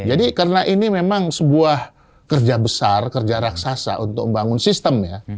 jadi karena ini memang sebuah kerja besar kerja raksasa untuk membangun sistem ya